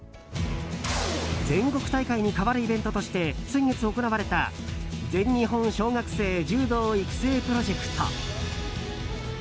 全国大会に代わるイベントとして先月行われた全日本小学生柔道育成プロジェクト。